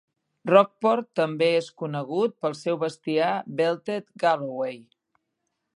Rockport també és conegut pel seu bestiar Belted Galloway.